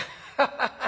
ハハハッ。